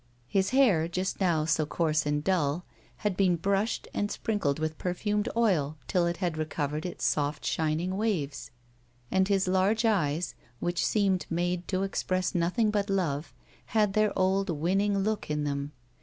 His hair, just now so coarse and dull, had been brushed and sprinkled with perfumed oil till it had recovered its soft shining waves, and his large eyes, which seemed made to express nothing but love, had their old winning look in them.